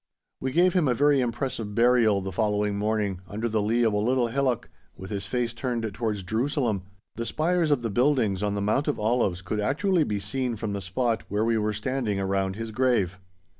We gave him a very impressive burial the following morning, under the lea of a little hillock, with his face turned towards Jerusalem; the spires of the buildings on the Mount of Olives could actually be seen from the spot where we were standing around his grave.